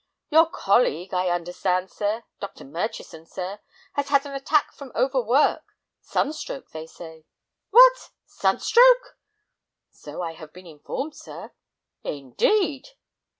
"Your colleague, I understand, sir—Dr. Murchison, sir—has had an attack from overwork; sunstroke, they say." "What! Sunstroke?" "So I have been informed, sir." "Indeed!"